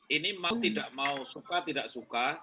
ini mau tidak mau suka tidak suka